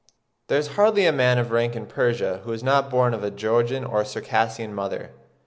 There is hardly a man of rank in Persia who is not born of a Georgian or Circassian mother."